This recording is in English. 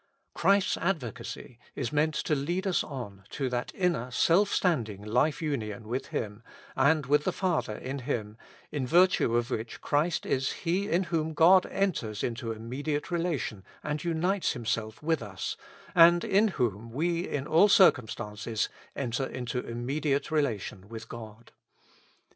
Christ's advocacy is meant to lead us on to that inner self standing life union with Him, and with the Father in Him, in virtue of which Christ is He in whom God enters into immediate relation and unites Himself with us, and in whom we in all cir cumstances enter into immediate relation with God.